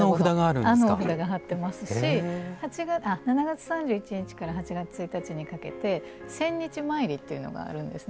あのお札が貼ってますし７月３１日から８月１日にかけて千日詣りというのがあるんです。